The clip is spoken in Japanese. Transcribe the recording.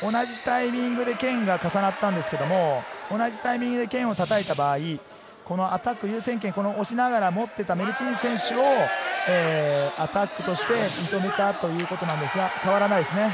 同じタイミングで剣が重なったんですけど、同じタイミングで剣をたたいた場合、アタック優先権を押しながら持っていたメルチーヌ選手をアタックとして認めたということなんですが変わらないですね。